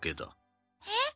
えっ？